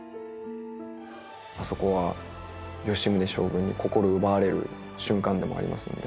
あそこは吉宗将軍に心を奪われる瞬間でもありますんで。